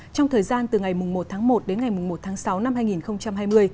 trong thời gian từ ngày một một đến ngày một sáu năm hai nghìn hai mươi